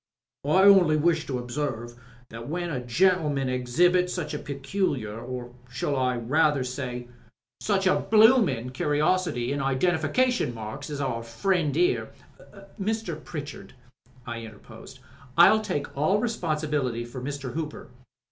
"I only wish to observe that when a gentleman exhibits such a peculiar, or I should rather say, such a bloomin* curiosity in identification marks as our friend here " "Mr. Pritchard," I interposed, "I'll take all the responsibility for Mr. Hooper."